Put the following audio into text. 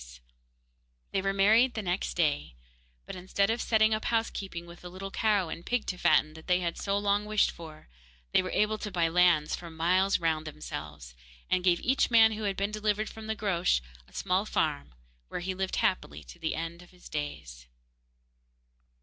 There they were married the next day, but instead of setting up housekeeping with the little cow and pig to fatten that they had so long wished for, they were able to buy lands for miles round for themselves, and gave each man who had been delivered from the Groac'h a small farm, where he lived happily to the end of his days.